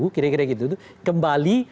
kira kira gitu kembali